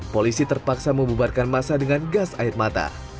polisi terpaksa membubarkan masa dengan gas air mata